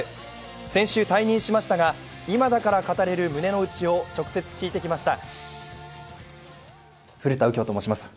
先週退任しましたが、今だから語れる胸のうちを直接、聞いてきました。